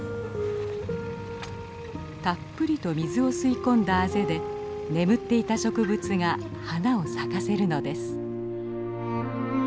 たっぷりと水を吸い込んだあぜで眠っていた植物が花を咲かせるのです。